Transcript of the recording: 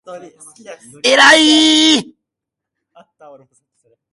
えらい！！！！！！！！！！！！！！！